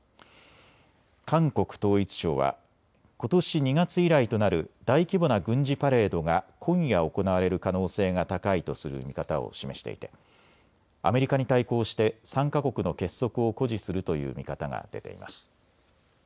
韓国統一省はことし２月以来となる大規模な軍事パレードが今夜、行われる可能性が高いとする見方を示していてアメリカに対抗して３か国の結束を誇示するという見方が出ています。